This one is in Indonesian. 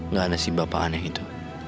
nggak ada si bapak aneh itu